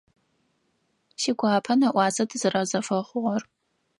Сигуапэ нэӏуасэ тызэрэзэфэхъугъэр.